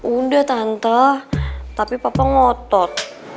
udah tantah tapi papa ngotot